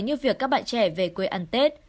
như việc các bạn trẻ về quê ăn tết